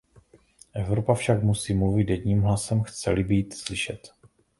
Evropa však musí mluvit jedním hlasem, chce-li být slyšet.